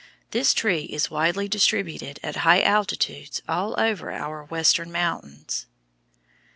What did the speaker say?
This tree is widely distributed at high altitudes all over our Western mountains.